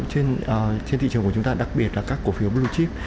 trên thị trường của chúng ta đặc biệt là các cổ phiếu blue chip